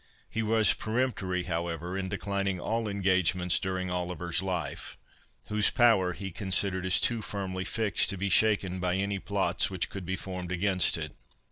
He was peremptory, however, in declining all engagements during Oliver's life, whose power he considered as too firmly fixed to be shaken by any plots which could be formed against it.